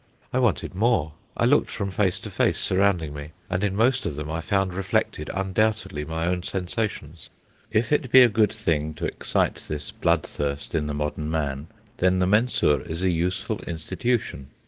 I wanted more. I looked from face to face surrounding me, and in most of them I found reflected undoubtedly my own sensations. If it be a good thing to excite this blood thirst in the modern man, then the Mensur is a useful institution.